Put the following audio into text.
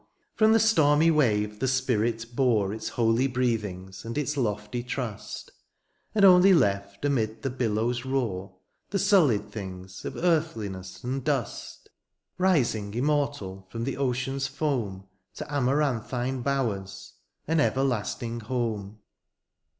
— ^from the stormy wave the spirit bore Its holy breathings and its lofty trusty And only left amid the billow's roar The sullied things of earthliness and dust. Rising immortal from the ocean's foam To amaranthine bowers — ^an everlasting home.